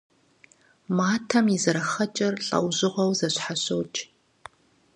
Матэм и зэрыхъэкӏэр лӏэужьыгъуэу зэщхьэщокӏ.